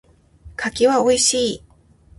柿は美味しい。